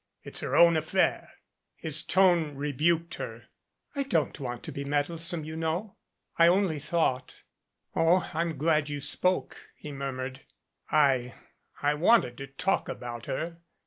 It's her own affair." His tone rebuked her. "I don't want to be meddlesome, you know. I only thought " "Oh, I'm glad you spoke," he murmured. "I I wanted to talk about her.